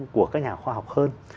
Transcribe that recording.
của các nhà khoa học hơn